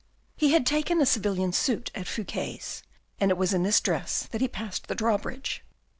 He had taken a civilian suit at Fouque's, and it was in this dress that he passed the drawbridge.